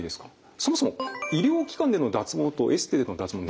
そもそも医療機関での脱毛とエステでの脱毛